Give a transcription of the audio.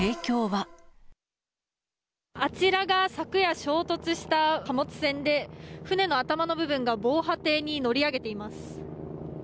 あちらが昨夜、衝突した貨物船で、船の頭の部分が防波堤に乗り上げています。